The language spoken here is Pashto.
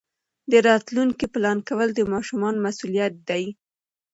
د راتلونکي پلان کول د ماشومانو مسؤلیت دی.